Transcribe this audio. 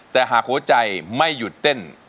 แต่หากหัวใจไม่หยุดเต้น